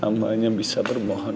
hamba hanya bisa bermohon